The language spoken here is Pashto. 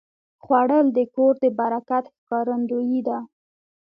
خوړل د کور د برکت ښکارندویي ده